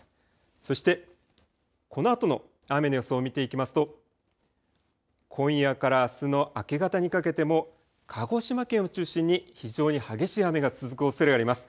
そして、このあとの雨の予想を見ていきますと今夜からあすの明け方にかけても鹿児島県を中心に非常に激しい雨が続くおそれがあります。